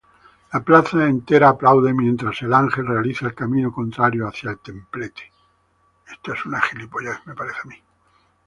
La plaza entera aplaude mientras el Ángel realiza el camino contrario hacia el templete.